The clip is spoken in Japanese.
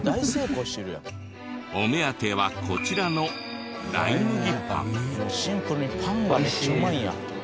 お目当てはこちらのシンプルにパンがめっちゃうまいんや。